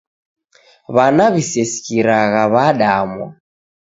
W'ana w'isesikiragha w'adamwa.